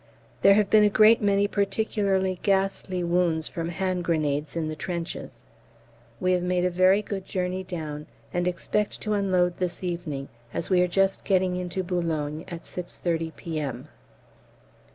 There have been a great many particularly ghastly wounds from hand grenades in the trenches. We have made a very good journey down, and expect to unload this evening, as we are just getting into Boulogne at 6.30 P.M.